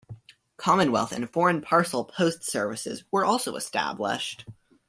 Commonwealth and foreign parcel post services were also established.